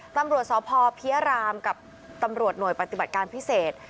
ตำรวจสพเพียรามกับตำรวจหน่วยปฏิบัติการพิเศษ